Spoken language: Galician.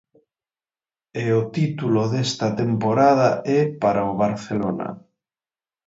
E o título desta temporada é para o Barcelona.